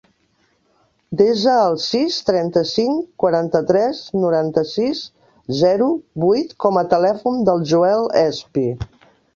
Desa el sis, trenta-cinc, quaranta-tres, noranta-sis, zero, vuit com a telèfon del Joel Espi.